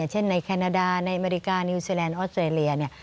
เช่นในแคนาดาอเมริกานิวเซแลนด์ออสเตอร์เรียน